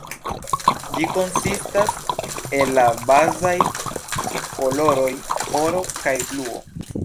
Ĝi konsistas el la bazaj koloroj oro kaj bluo.